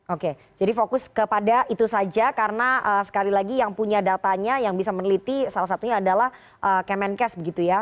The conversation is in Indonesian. oke jadi fokus kepada itu saja karena sekali lagi yang punya datanya yang bisa meneliti salah satunya adalah kemenkes begitu ya